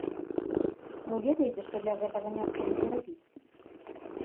Вы ведаеце, што для гэтага неабходна зрабіць?